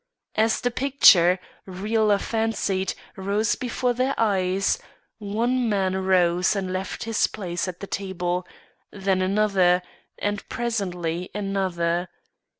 As the picture, real or fancied, rose before their eyes, one man rose and left his place at the table; then another, and presently another.